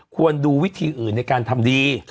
ควรดูวิธีอื่นในการทำดี